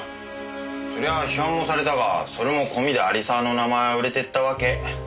そりゃ批判もされたがそれも込みで有沢の名前は売れてったわけ。